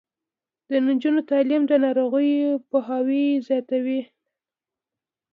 د نجونو تعلیم د ناروغیو پوهاوی زیاتوي.